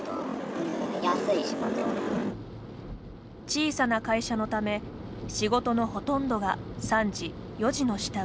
小さな会社のため、仕事のほとんどが３次、４次の下請け。